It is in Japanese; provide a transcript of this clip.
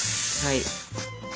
はい。